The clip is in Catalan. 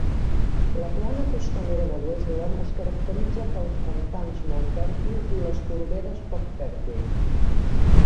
La plana costanera de Westland es caracteritza pels pantans molt fèrtils i les torberes poc fèrtils.